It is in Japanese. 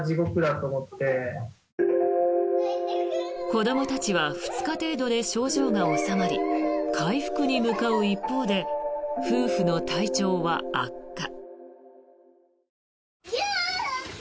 子どもたちは２日程度で症状が治まり回復に向かう一方で夫婦の体調は悪化。